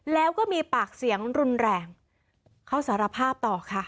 แล้วก็มีปากเสียงรุนแรงเขาสารภาพต่อค่ะ